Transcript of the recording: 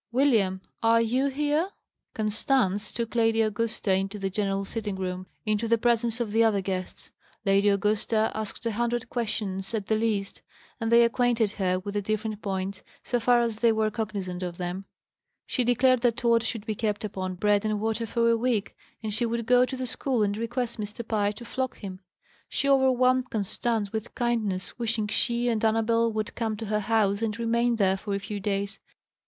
William, are you here?" Constance took Lady Augusta into the general sitting room, into the presence of the other guests. Lady Augusta asked a hundred questions, at the least; and they acquainted her with the different points, so far as they were cognizant of them. She declared that Tod should be kept upon bread and water for a week, and she would go to the school and request Mr. Pye to flog him. She overwhelmed Constance with kindness, wishing she and Annabel would come to her house and remain there for a few days.